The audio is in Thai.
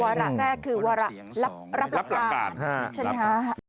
ระแรกคือวาระรับการใช่ไหมคะ